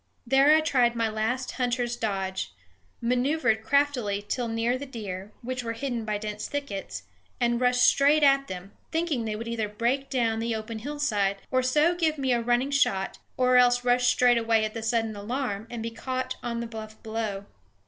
There I tried my last hunter's dodge manoeuvered craftily till near the deer, which were hidden by dense thickets, and rushed straight at them, thinking they would either break away down the open hillside, and so give me a running shot, or else rush straightaway at the sudden alarm and be caught on the bluff beyond.